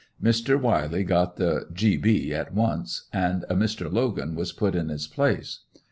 Mr. Wiley got the "G. B." at once and a Mr. Logan was put in his place.